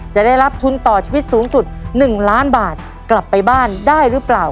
จะได้รับทุนต่อชีวิตสูงสุด๑ล้านบาทกลับไปบ้านได้หรือเปล่า